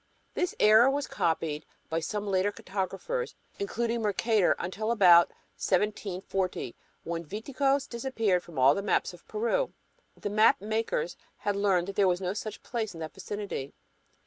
This error was copied by some later cartographers, including Mercator, until about 1740, when "Viticos" disappeared from all maps of Peru. The map makers had learned that there was no such place in that vicinity.